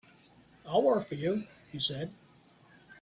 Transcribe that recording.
"I'll work for you," he said.